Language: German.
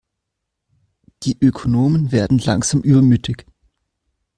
Die Ökonomen werden langsam übermütig.